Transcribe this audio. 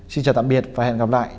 xin chào tạm biệt và hẹn gặp lại